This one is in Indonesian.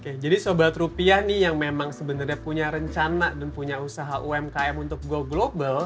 oke jadi sobat rupiah nih yang memang sebenarnya punya rencana dan punya usaha umkm untuk go global